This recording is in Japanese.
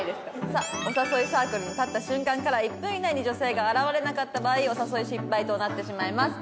さあお誘いサークルに立った瞬間から１分以内に女性が現れなかった場合お誘い失敗となってしまいます。